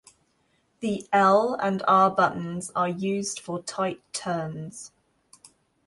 The L and R buttons are used for tight turns.